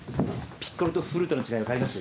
ピッコロとフルートの違い分かります？